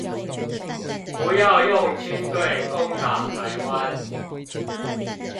不要用軍隊攻打台灣